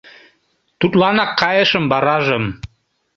Тудланак кайышым варажым.